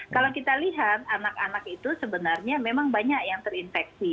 kalau kita lihat anak anak itu sebenarnya memang banyak yang terinfeksi